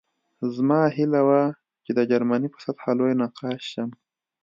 زما هیله وه چې د جرمني په سطحه لوی نقاش شم